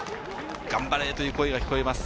頑張れ！という声が聞こえます。